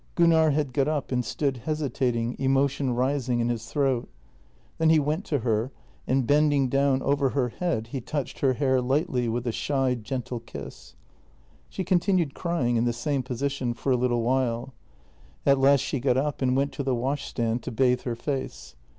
Gunnar had got up and stood hesitating, emotion rising in his throat. Then he went to her and, bending down over her head, he touched her hair lightly with a shy, gentle kiss. She continued crying, in the same position, for a little while. At last she got up and went to the washstand to bathe her face.